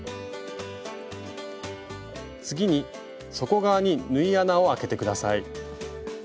次に底側に縫い穴をあけて下さい。